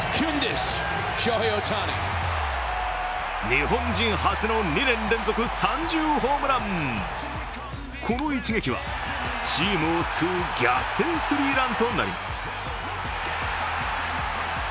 日本人初の２年連続３０ホームランこの一撃は、チームを救う逆転スリーランとなります。